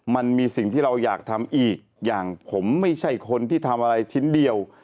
มันมีสิ่งที่เราอยากทำอีกอย่างผมไม่ใช่คนที่ทำอะไรชิ้นเดียว